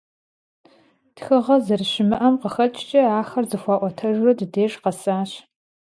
Очевидно, что заблуждение огромно.